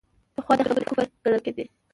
پخوا دا خبرې کفر ګڼل کېدې.